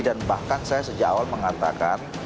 dan bahkan saya sejak awal mengatakan